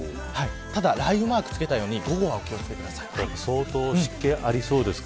ただ、雷雨マークを付けたように午後はお気を付けください相当湿気ありそうですか。